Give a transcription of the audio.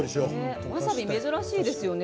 わさび珍しいですよね